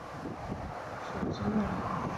禹之谟人。